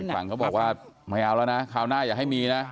ฝั่งเขาบอกว่าไม่เอาแล้วนะคราวหน้าอย่าให้มีนะ